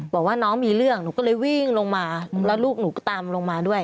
บอกว่าน้องมีเรื่องหนูก็เลยวิ่งลงมาแล้วลูกหนูก็ตามลงมาด้วย